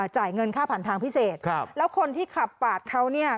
จ่ายเงินค่าผ่านทางพิเศษครับแล้วคนที่ขับปาดเขาเนี่ย